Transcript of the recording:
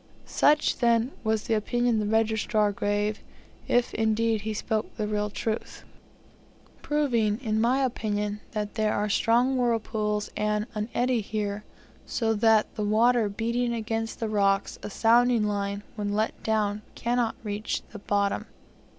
Such, then, was the opinion the registrar gave, if, indeed, he spoke the real truth; proving, in my opinion, that there are strong whirlpools and an eddy here, so that the water beating against the rocks, a sounding line, when let down, cannot reach the bottom.